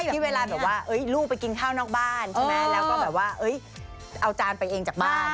ที่เวลาลูกไปกินข้าวนอกบ้านแล้วก็เอาจานไปเองจากบ้าน